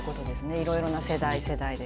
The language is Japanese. いろいろな世代世代で。